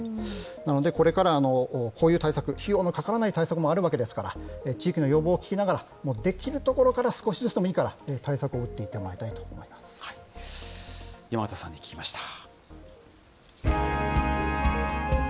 なので、これからこういう対策、費用のかからない対策もあるわけですから、地域の要望を聞きながら、できるところから、少しずつでもいいから、対策を打っていっ山形さんに聞きました。